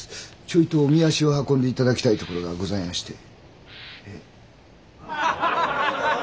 ちょいとおみ足を運んで頂きたい所がございまして。